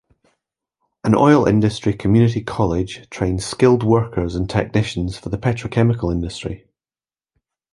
An Oil Industry Community College trains skilled workers and technicians for the petrochemical industry.